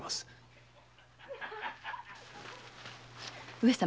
上様